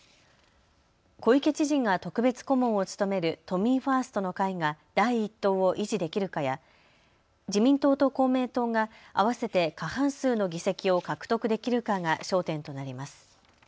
小池知事が特別顧問を務める都民ファーストの会が第１党を維持できるかや自民党と公明党が合わせて過半数の議席を獲得できるかが焦点となります。